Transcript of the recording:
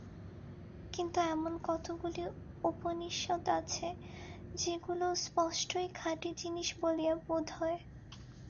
কিন্তু এমন কতকগুলি উপনিষদ আছে, যেগুলি স্পষ্টই খাঁটি জিনিষ বলিয়া বোধ হয়।